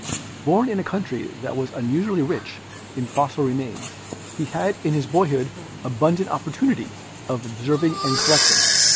Born in a county that was unusually rich in MODERN DEVELOPMENT 71 fossil remains, he had in his boyhood abundant oppor tunity of observing and collecting.